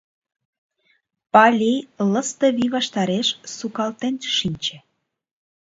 — Пали Лыстывий ваштареш сукалтен шинче.